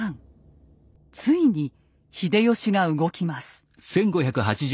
ついに秀吉が動きます。